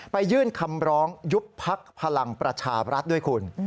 ยื่นคำร้องยุบพักพลังประชาบรัฐด้วยคุณ